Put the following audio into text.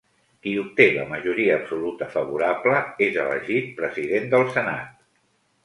Qui obté la majoria absoluta favorable és elegit president del Senat.